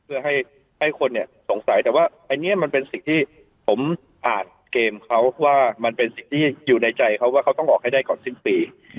เพื่อให้คนสงสัยแต่ว่าอันนี้มันเป็นสิ่งที่ผมอ่านเกมเขาว่ามันเป็นสิ่งที่อยู่ในใจเขาว่าเขาต้องออกให้ได้ก่อนสิ้นปี